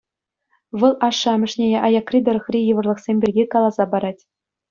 Вӑл ашшӗ-амӑшне аякри тӑрӑхри йывӑрлӑхсем пирки каласа парать.